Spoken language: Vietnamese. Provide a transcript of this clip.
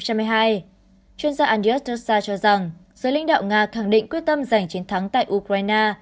chuyên gia andriy ostrosa cho rằng giới lĩnh đạo nga khẳng định quyết tâm giành chiến thắng tại ukraine